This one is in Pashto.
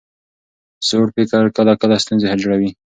زوړ فکر کله کله ستونزې جوړوي.